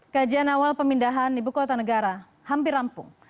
kajian awal pemindahan ibu kota negara hampir rampung